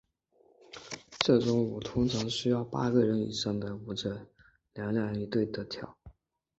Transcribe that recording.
这种舞通常需要八个人以上的舞者两两一对地跳。